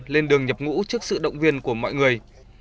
lên đường nhập ngũ trước sự động viên của mọi người